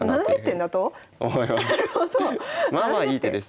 まあまあいい手です。